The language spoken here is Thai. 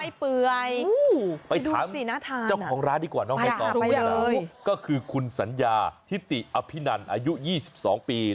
เปื่อยไปถามเจ้าของร้านดีกว่าน้องใบตองก็คือคุณสัญญาทิติอภินันอายุ๒๒ปี